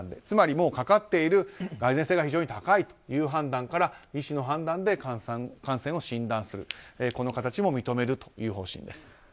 つまり、かかっている蓋然性が非常に高いという判断から医師の判断で感染を診断するという形も認めるという方針です。